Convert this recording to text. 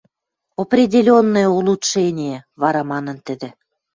— Определенное улучшение, — вара манын тӹдӹ.